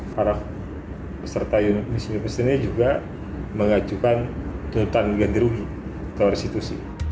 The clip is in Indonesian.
para peserta misi misinya juga mengajukan tuntutan ganti rugi atau restitusi